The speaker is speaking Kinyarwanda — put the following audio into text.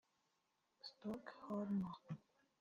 Stockholm